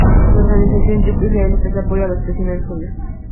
La organización "Young Israel" ofrece apoyo a los prisioneros judíos.